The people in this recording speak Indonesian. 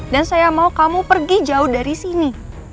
dan saya mau kamu pergi jauh dari sini